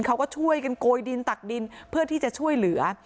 เขาก็ช่วยกันโกยดินตักดินเพื่อที่จะช่วยเหลือ